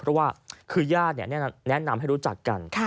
เพราะว่าคือญาติแนะนำให้รู้จักกัน